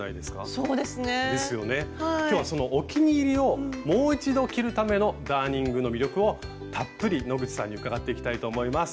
そうですね。ですよね。今日はそのお気に入りをもう一度着るためのダーニングの魅力をたっぷり野口さんに伺っていきたいと思います。